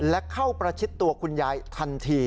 และเข้าประชิดตัวคุณยายทันที